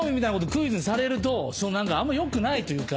クイズにされるとあんまよくないというか。